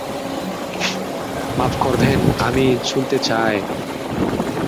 মাফ করবেন, আমি — আমি শুতে চাই।